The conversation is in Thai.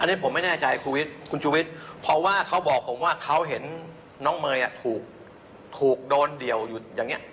อันนี้ผมไม่แน่ใจคุณชูวิทย์เพราะว่าเขาบอกผมว่าเขาเห็นน้องเมย์ถูกโดนเดี่ยวอยู่อย่างนี้